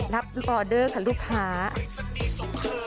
รับออเดอร์ค่ะลูกฐาน